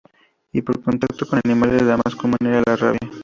Y por contacto con animales, la más común era la rabia.